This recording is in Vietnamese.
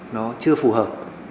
nó chưa phù hợp